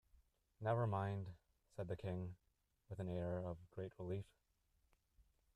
‘Never mind!’ said the King, with an air of great relief.